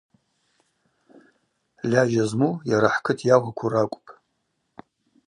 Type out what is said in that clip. Льажьа зму йара хӏкыт йауакву ракӏвпӏ.